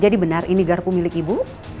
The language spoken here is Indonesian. jadi benar ini garpu milik ibu